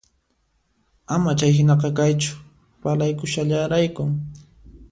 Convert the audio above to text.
Ama chayhinaqa kaychu, parlakushallaraykun